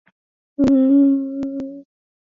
Mfumuko wa bei wa kila mwaka ulifikia saba.